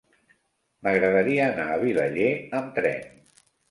M'agradaria anar a Vilaller amb tren.